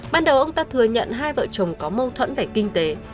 ban đầu ông ta thừa nhận hai vợ chồng có mâu thuẫn về kinh tế